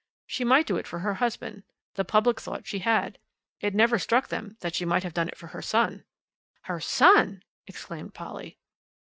She might do it for her husband. The public thought she had. It never struck them that she might have done it for her son!" "Her son!" exclaimed Polly.